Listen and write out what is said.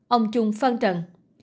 ông trung phân trận